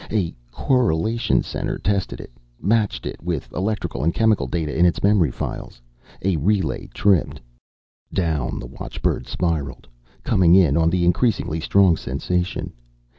A correlation center tested it, matching it with electrical and chemical data in its memory files. A relay tripped. Down the watchbird spiraled, coming in on the increasingly strong sensation.